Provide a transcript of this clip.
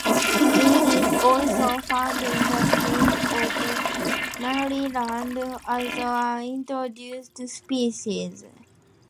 It is also found in the state of Maryland as an introduced species.